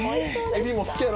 「エビも好きやろ？